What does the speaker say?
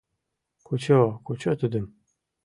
— Кучо, кучо тудым!..